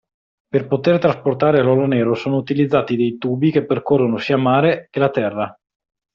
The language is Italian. Per poter trasportare l'oro nero sono utilizzati dei tubi che percorrono sia il mare che la terra.